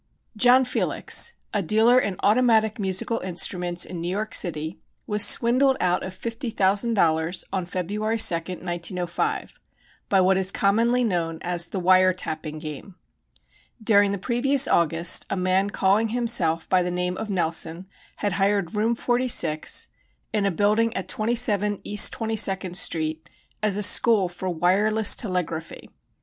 John Felix, a dealer in automatic musical instruments in New York City, was swindled out of $50,000 on February 2d, 1905, by what is commonly known as the "wire tapping" game. During the previous August a man calling himself by the name of Nelson had hired Room 46, in a building at 27 East Twenty second Street, as a school for "wireless telegraphy."